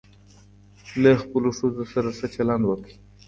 له خپلو ښځو سره ښه چلند وکړئ.